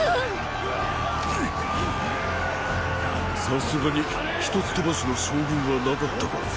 さすがに一つ飛ばしの将軍はなかったか。